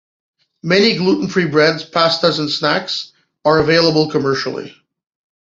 Many gluten-free breads, pastas, and snacks are available commercially.